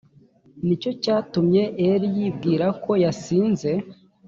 ni cyo cyatumye eli yibwira ko yasinze